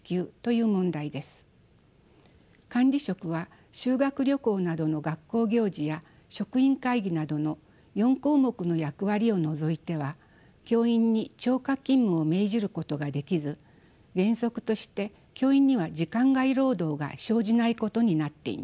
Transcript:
管理職は修学旅行などの学校行事や職員会議などの４項目の役割を除いては教員に超過勤務を命じることができず原則として教員には時間外労働が生じないことになっています。